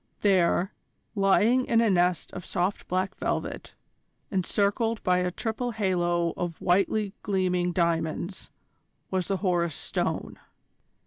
There, lying in a nest of soft black velvet, encircled by a triple halo of whitely gleaming diamonds, was the Horus Stone.